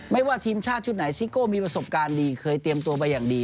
ว่าทีมชาติชุดไหนซิโก้มีประสบการณ์ดีเคยเตรียมตัวไปอย่างดี